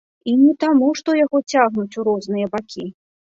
І не таму што яго цягнуць у розныя бакі.